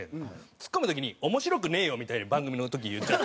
ツッコむ時に「面白くねえよ！」みたいに番組の時に言っちゃって。